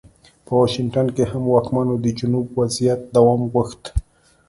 په واشنګټن کې هم واکمنانو د جنوب وضعیت دوام غوښت.